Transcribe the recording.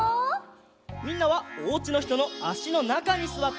みんなはおうちのひとのあしのなかにすわってください。